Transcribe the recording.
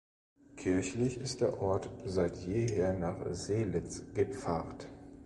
Kirchlich ist der Ort seit jeher nach Seelitz gepfarrt.